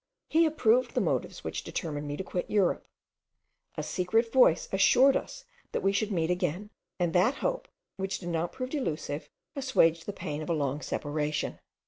He approved the motives which determined me to quit Europe; a secret voice assured us that we should meet again; and that hope, which did not prove delusive, assuaged the pain of a long separation.